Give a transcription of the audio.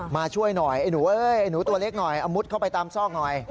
มาช่วยหน่อยไอ้หนูตัวเล็กหน่อยมุดเข้าไปตามซอกหน่อย